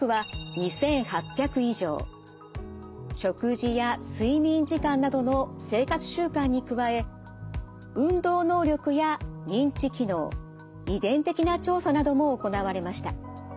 食事や睡眠時間などの生活習慣に加え運動能力や認知機能遺伝的な調査なども行われました。